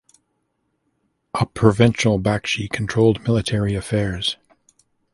A provincial bakshi controlled military affairs.